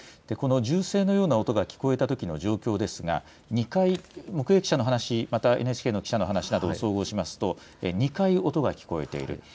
銃声のような音が聞こえたときの状況ですが目撃者の話、またＮＨＫの記者の話などを総合しますと２回、音が聞こえている。